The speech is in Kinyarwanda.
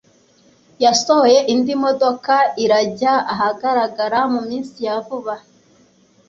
yasohoye indi modoka irajya ahagaragara mu minsi ya vuba